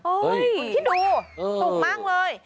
คนที่ดูถูกมากเลย